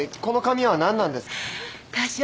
この紙は何なんですか？